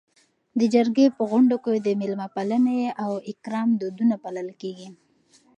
د جرګې په غونډو کي د میلمه پالنې او اکرام دودونه پالل کيږي.